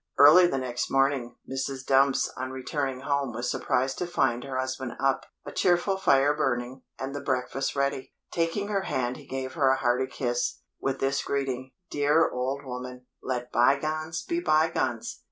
Early the next morning, Mrs. Dumps on returning home was surprised to find her husband up, a cheerful fire burning, and the breakfast ready. Taking her hand he gave her a hearty kiss, with this greeting, "Dear old woman, let bygones be bygones!"